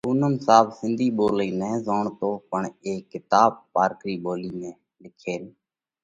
پُونم صاحب سنڌِي ٻولئِي نہ زوڻتون پڻ اي ڪِتاٻ پارڪرِي ۾ لکينَ